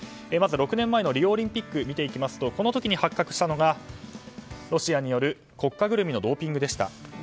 まず、６年前のリオオリンピック見ていきますとこの時、発覚したのがロシアによる国家ぐるみのドーピングでした。